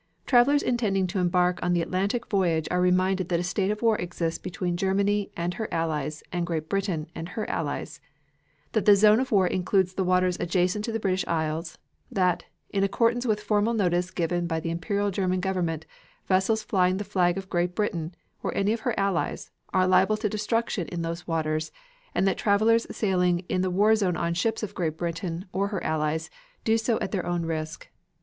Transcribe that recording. Travelers intending to embark on the Atlantic voyage are reminded that a state of war exists between Germany and her allies and Great Britain and her allies; that the zone of war includes the waters adjacent to the British Isles; that, in accordance with formal notice given by the Imperial German Government, vessels flying the flag of Great Britain, or of any of her allies, are liable to destruction in those waters and that travelers sailing in the war zone on ships of Great Britain or her allies do so at their own risk.